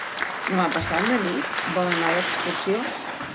Demà passat na Nit vol anar d'excursió.